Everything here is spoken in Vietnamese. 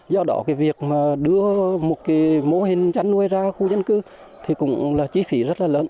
do đó việc đưa một mô hình chăn nuôi ra khu nhân cư thì cũng là chi phí rất là lớn